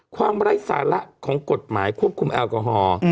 ไร้สาระของกฎหมายควบคุมแอลกอฮอล์